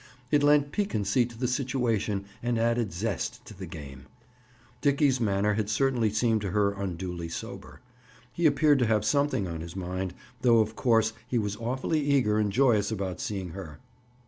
It lent piquancy to the situation and added zest to the game. Dickie's manner had certainly seemed to her unduly sober. He appeared to have something on his mind, though of course he was awfully eager and joyous about seeing her.